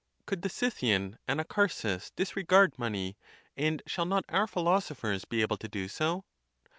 Could the Scythian Anacharsis' disregard money, and shall not our philosophers be able to do so?